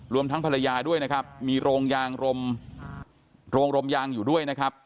รวมทั้งภรรยาด้วยนะครับมีโรงยางรมโรงลมยางอยู่ด้วยนะครับ